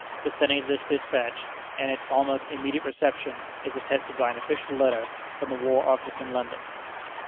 The sending of this despatch, and its almost immediate reception, is attested by an official letter from the War Office in London.